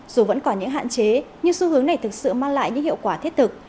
dù vẫn còn những hạn chế nhưng xu hướng này thực sự mang lại những hiệu quả thiết thực